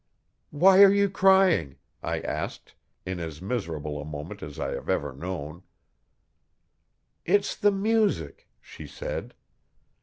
'Why are you crying?' I asked, in as miserable a moment as I have ever known. 'It's the music,' she said.